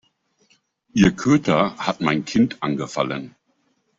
Ihr Köter hat mein Kind angefallen.